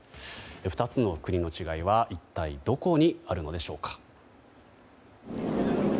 ２つの国の違いは、一体どこにあるのでしょうか。